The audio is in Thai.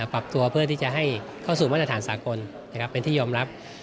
ปรับตัวเพื่อที่จะให้เข้าสู่มาตรฐานสากลเป็นที่ยอมรับ